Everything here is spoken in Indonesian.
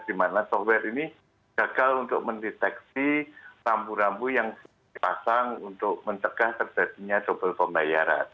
di mana software ini gagal untuk mendeteksi rambu rambu yang dipasang untuk mencegah terjadinya double pembayaran